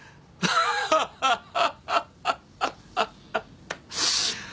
アハハハ。